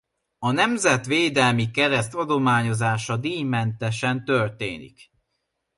A Nemzetvédelmi Kereszt adományozása díjmentesen történik.